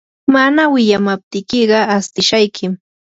mana wiyamaptiykiqa astishaykim.